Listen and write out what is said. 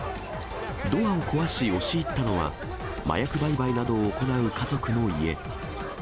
ドアを壊し押し入ったのは、麻薬売買などを行う家族の家。